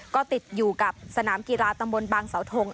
ก็ติดอยู่กับสนามกีฤตระบนบางสาวโทง